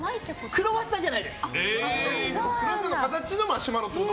クロワッサンじゃないってこと？